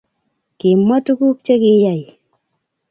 Kimwa tukuk chekiyai